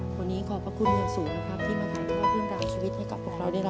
วันนี้ขอบพระคุณเงินสูงนะครับที่มาหาเรื่องราวชีวิตให้ครอบครัวได้รับรู้ครับ